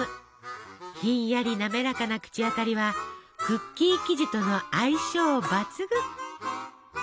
ひんやりなめらかな口当たりはクッキー生地との相性抜群。